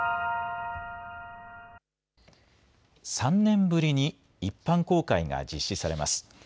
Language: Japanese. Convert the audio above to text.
３年ぶりに一般公開が実施されます。